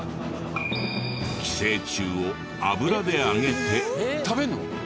寄生虫を油で揚げて。食べるの！？